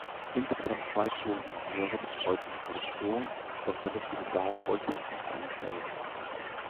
Insgesamt zwei Toningenieure betreuten die Produktion, doch der richtige Sound wollte sich nicht einstellen.